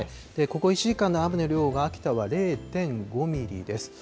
ここ１時間の雨の量が、秋田は０．５ミリです。